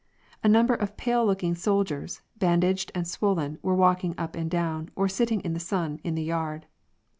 A number of pale looking soldiers, bandaged and swollen, were walking up and down, or sitting in the sun in the yard.